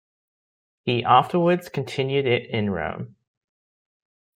He afterwards continued it in Rome.